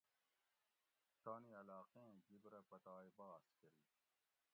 تانی علاقیں جِب رہ پتائے بحث کۤری